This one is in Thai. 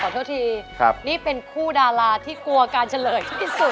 โทษทีนี่เป็นคู่ดาราที่กลัวการเฉลยที่สุด